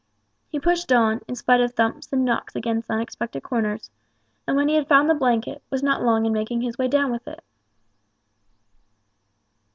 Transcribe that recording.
He pushed on, in spite of thumps and knocks against unexpected corners, and when he had found the blanket, was not long in making his way down with it.